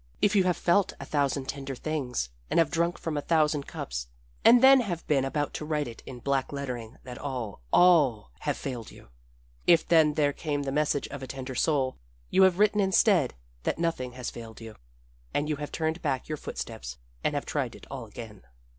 "If you have felt a thousand tender things and have drunk from a thousand cups and then have been about to write it in black lettering that all, all have failed you if then there came the message of a tender soul, you have written instead that nothing has failed you, and you have turned back your footsteps and have tried it all again.